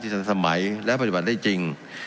ทันสมัยและปฏิบัติได้จริง